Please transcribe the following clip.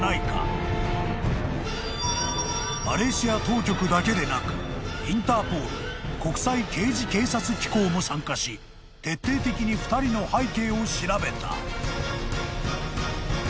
［マレーシア当局だけでなくインターポール国際刑事警察機構も参加し徹底的に２人の背景を調べた］